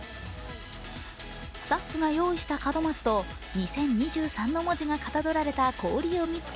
スタッフが用意した門松と「２０２３」の文字がかたどられた氷を見つけ